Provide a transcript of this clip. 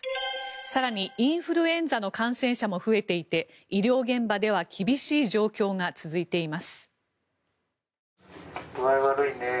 更に、インフルエンザの感染者も増えていて医療現場では厳しい状況が続いています。